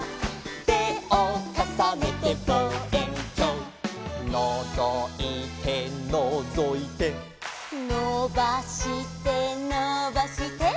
「てをかさねてぼうえんきょう」「のぞいてのぞいて」「のばしてのばして」